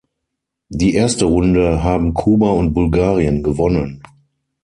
Die erste Runde haben Kuba und Bulgarien gewonnen.